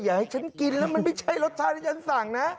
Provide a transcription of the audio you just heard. ให้ฉันกินแล้วมันไม่ใช่รสชาติที่ฉันสั่งนะ